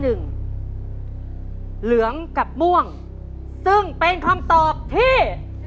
เหลืองกับม่วงซึ่งเป็นคำตอบที่